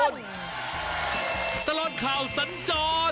ตลอดข่าวสัญจร